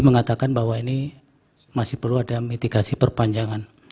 mengatakan bahwa ini masih perlu ada mitigasi perpanjangan